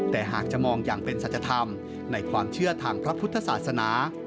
แต่หากจะมองอย่างเป็นสัจธรรมในความเชื่อทางพระพุทธศาสนา